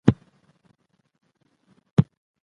ما پرون یوه ښکلې مننه په کاغذ ولیکله.